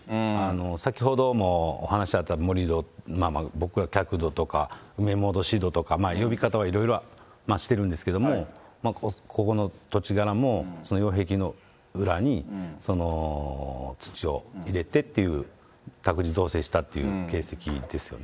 先ほどもお話あった盛り土、僕ら、客土とか埋め戻し土とか、呼び方はいろいろしてるんですけれども、ここの土地柄も、その擁壁の裏に土を入れてという、宅地造成したっていう形跡ですよね。